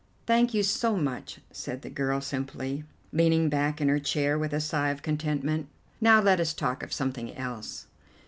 "Thank you so much," said the girl simply, leaning back in her chair with a sigh of contentment. "Now let us talk of something else."